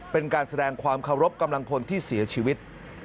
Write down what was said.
เป็นการแสดงความเคารพกำลังพลที่เสียชีวิต